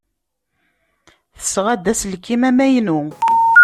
Tesɣa-d aselkim amaynu.